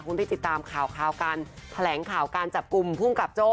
คุณได้ติดตามข่าวการแถลงข่าวการจับกลุ่มภูมิกับโจ้